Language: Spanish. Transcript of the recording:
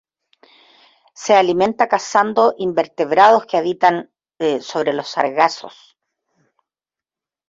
Se alimenta cazando invertebrados que habitan sobre los sargazos.